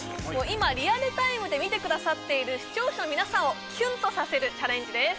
今リアルタイムで見てくださっている視聴者の皆さんをキュンとさせるチャレンジです